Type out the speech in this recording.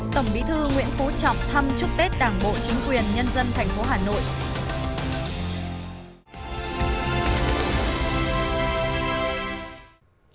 tổng bí thư nguyễn phú trọng thăm chúc tết đảng bộ chính quyền nhân dân thành phố hà nội